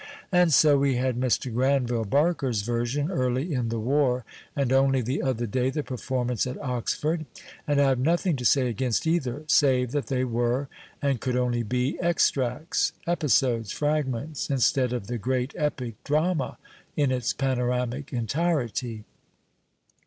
And so vie had Mr. Granville Barker's version early in the war and only the other day the performance at Oxford, and I have nothing to say against either, save that they were, and could only be, extracts, episodes, fragments, instead of the great epic drama in its panoramic entirety.